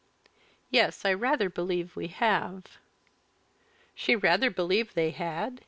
"Yes, I rather believe we have." She rather believed they had?